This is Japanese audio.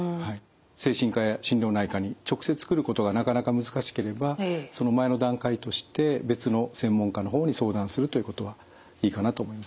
精神科や心療内科に直接来ることがなかなか難しければその前の段階として別の専門家の方に相談するということはいいかなと思います。